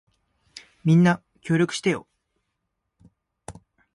みんな、協力してよ。